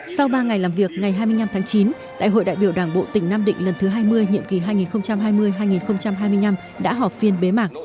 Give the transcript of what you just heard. sau ba ngày làm việc ngày hai mươi năm tháng chín đại hội đại biểu đảng bộ tỉnh nam định lần thứ hai mươi nhiệm kỳ hai nghìn hai mươi hai nghìn hai mươi năm đã họp phiên bế mạc